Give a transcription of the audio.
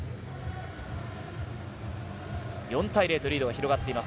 ４対０とリードが広がっていきます。